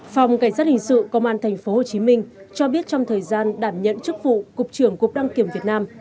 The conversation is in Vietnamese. phòng cảnh sát hình sự công an tp hcm cho biết trong thời gian đảm nhận chức vụ cục trưởng cục đăng kiểm việt nam